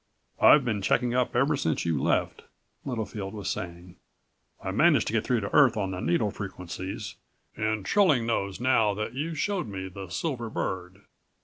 "I've been checking up ever since you left," Littlefield was saying. "I managed to get through to Earth on the needle frequencies and Trilling knows now that you showed me the silver bird.